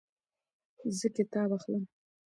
زه کتاب اخلم